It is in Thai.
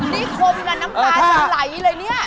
นี่คมกันน้ำตาจะไหลเลยเนี่ย